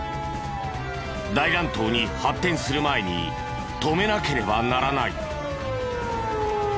大乱闘に発展する前に止めなければならない。